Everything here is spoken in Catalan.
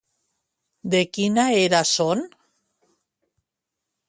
De quina era són?